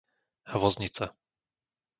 Hvozdnica